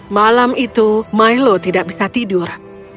malam itu milo tidak bisa tidur